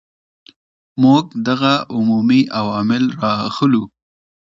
موږ دغه عمومي عوامل را اخلو.